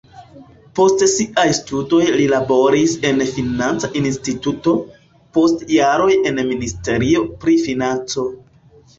Post siaj studoj li laboris en financa instituto, post jaroj en ministerio pri financo.